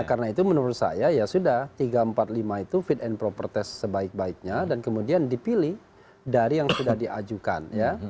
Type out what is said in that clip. karena itu menurut saya ya sudah tiga empat lima itu fit and proper test sebaik baiknya dan kemudian dipilih dari yang sudah diajukan ya